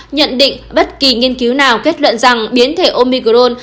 nhận định bất kỳ nghiên cứu nào kết luận rằng biến thể omicron